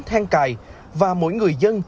thang cài và mỗi người dân